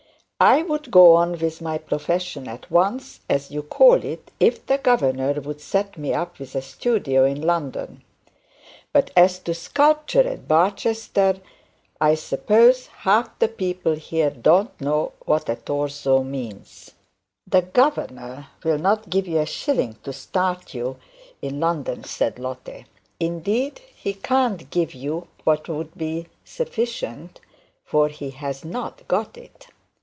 I'd go on with my profession at once, as you call it, if the governor would set me up with a studio in London; but as to sculpture at Barchester I suppose half the people here don't know what a torso means.' 'The governor will not give you a shilling to start you in London,' said Lotte. 'Indeed, he can't give you what would be sufficient, for he has not got it.